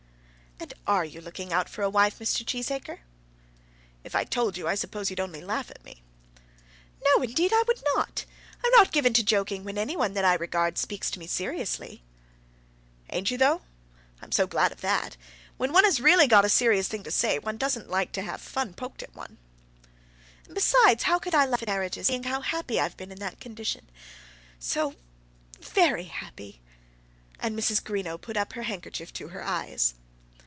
"And are you looking out for a wife, Mr. Cheesacre?" "If I told you I suppose you'd only laugh at me." "No; indeed I would not. I am not given to joking when any one that I regard speaks to me seriously." "Ain't you though? I'm so glad of that. When one has really got a serious thing to say, one doesn't like to have fun poked at one." "And, besides, how could I laugh at marriages, seeing how happy I have been in that condition? so very happy," and Mrs. Greenow put up her handkerchief to her eyes.